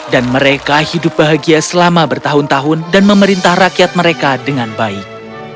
dan mereka hidup bahagia selama bertahun tahun dan memerintah rakyat mereka dengan baik